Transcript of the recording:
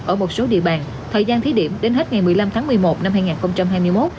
ở một số địa bàn thời gian thí điểm đến hết ngày một mươi năm tháng một mươi một năm hai nghìn hai mươi một